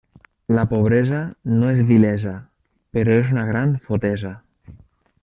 La pobresa no és vilesa, però és una gran fotesa.